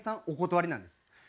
お断りなんです。